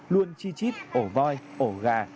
luôn chi chít ổ voi ổ gà